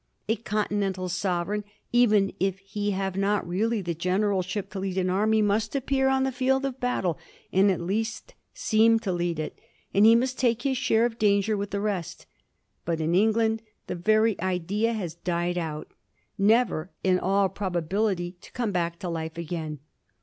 A continental sovereign, even if he have not really the gen eralship to lead an army, must appear on the field of bat lie, and at least seem to lead it, and he must take his share of danger with the rest. But in England the very idea has died out, never in all probability to come back to life again.